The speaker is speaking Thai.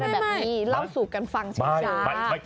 ไม่เล่าสูตรกันฟังจริงจ้า